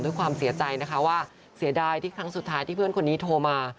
ความเสียใจนะคะว่าเสียดายที่ครั้งสุดท้ายที่เพื่อนคนนี้โทรมา